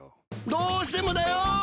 どうしてもだよ！